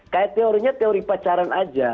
kayak teorinya teori pacaran aja